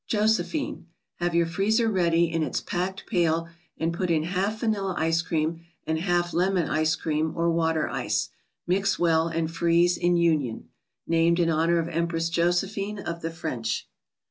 JOSEPHINE.—Have your freezer ready in its packed pail, and put in half vanilla ice cream, and half lemon ice cream, or water ice. Mix well, and freeze in union. (Named in honor of Empress Josephine of the F rench.)